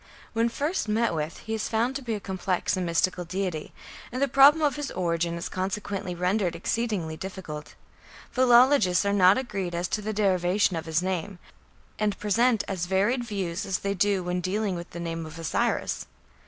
When first met with, he is found to be a complex and mystical deity, and the problem of his origin is consequently rendered exceedingly difficult. Philologists are not agreed as to the derivation of his name, and present as varied views as they do when dealing with the name of Osiris.